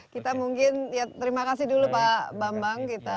kita mungkin ya terima kasih dulu pak bambang